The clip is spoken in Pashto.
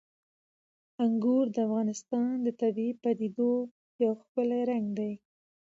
انګور د افغانستان د طبیعي پدیدو یو ښکلی رنګ دی.